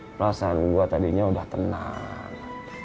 perasaan gue tadinya udah tenang